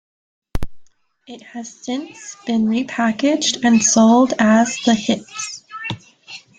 It has since been repackaged and sold as The Hits.